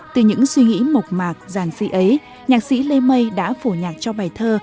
từ những suy nghĩ mộc mạc giảng sĩ ấy nhạc sĩ lê mây đã phổ nhạc cho bài thơ